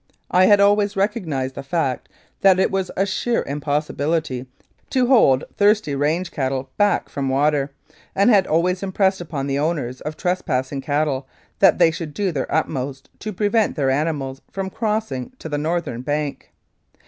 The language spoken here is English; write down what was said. I had always recognised the fact that it was a sheer impossibility to hold thirsty range cattle back from water, and had always impressed upon the owners of trespassing cattle that they should do their utmost to prevent their animals from crossing to the northern bank.